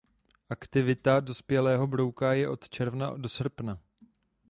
Aktivita dospělého brouka je od června do srpna.